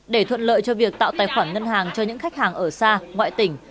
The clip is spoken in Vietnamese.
để thuận lợi cho việc tạo tài khoản ngân hàng cho những khách hàng ở xa ngoại tỉnh